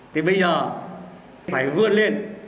thì bây giờ phải gương lên